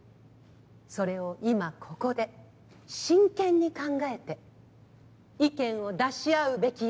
それを今ここで真剣に考えて意見を出し合うべきよ。